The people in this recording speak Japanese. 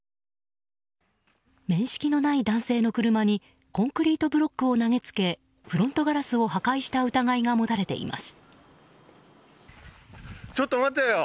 面識のない男性の車にコンクリートブロックを投げつけフロントガラスを破壊した疑いが持たれています。